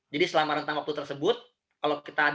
jadi selama rentang waktu tersebut